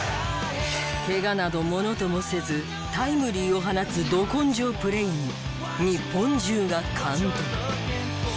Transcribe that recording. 怪我などものともせずタイムリーを放つど根性プレーに日本中が感動。